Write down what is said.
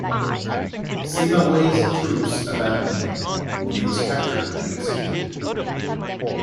Sima Wei's troops abandoned him, and he was captured and executed.